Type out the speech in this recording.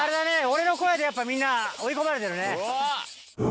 俺の声でやっぱみんな追い込まれてるね。